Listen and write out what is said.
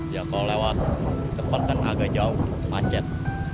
ya kalau lewat depan kan agak jauh macet